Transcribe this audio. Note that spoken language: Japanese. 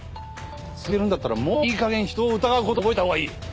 続けるんだったらもういいかげん人を疑うことを覚えたほうがいい。